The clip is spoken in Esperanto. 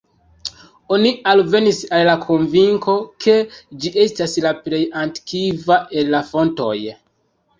Oni alvenis al la konvinko ke ĝi estas la plej antikva el la fontoj.